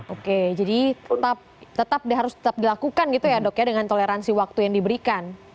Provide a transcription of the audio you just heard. oke jadi tetap harus tetap dilakukan gitu ya dok ya dengan toleransi waktu yang diberikan